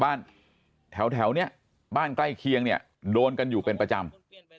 บ้านแถวเนี่ยบ้านใกล้เคียงเนี่ยโดนกันอยู่เป็นประจำ